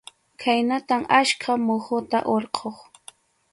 Khaynatam achka muhuta hurquq.